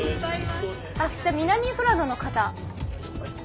じゃあ南富良野の方。